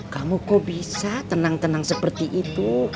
kamu kok bisa tenang tenang seperti itu